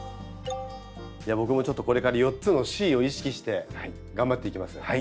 僕もちょっとこれから４つの「Ｃ」を意識して頑張っていきます。